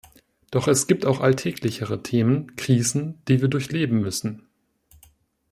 Doch es gibt auch alltäglichere Themen, Krisen, die wir durchleben müssen.